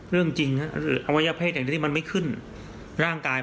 เรื่องจริงอวัยวะเพศอย่างนี้มันไม่ขึ้น